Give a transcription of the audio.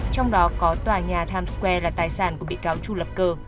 trong đó có tòa nhà times square là tài sản của bị cáo chu lập cơ